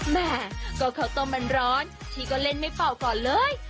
แหมก็ข้าวต้มมันร้อนชีก็เล่นไม่เป่าก่อนเลย